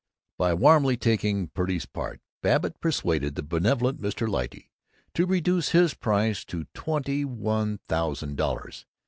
By warmly taking Purdy's part, Babbitt persuaded the benevolent Mr. Lyte to reduce his price to twenty one thousand dollars.